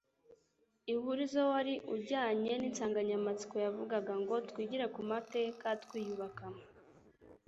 Ihurizo' wari ujyanye n'insanganyamatsiko yavugaga ngo 'Twigire ku mateka twiyubaka'.'